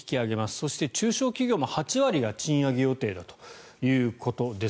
そして中小企業も８割が賃上げ予定だということです。